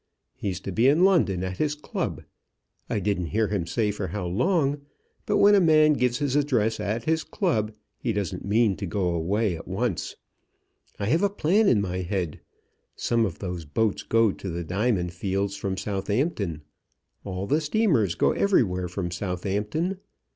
He's to be in London at his club. I didn't hear him say for how long, but when a man gives his address at his club he doesn't mean to go away at once. I have a plan in my head. Some of those boats go to the diamond fields from Southampton. All the steamers go everywhere from Southampton.